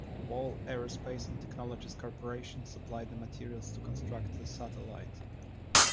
Ball Aerospace and Technologies Corporation supplied the materials to construct the satellite.